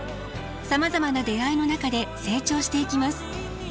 さまざまな出会いの中で成長していきます。